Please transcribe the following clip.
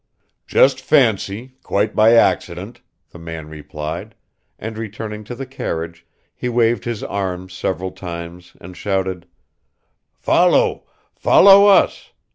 "Just fancy, quite by accident," the man replied, and returning to the carriage, he waved his arms several times and shouted, "Follow, follow us!